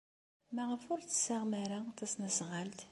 Maɣef ur d-tessaɣem ara tasnasɣalt?